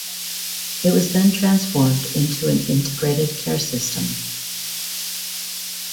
It was then transformed into an integrated care system.